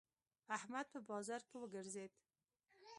احمد په بازار وګرځېد.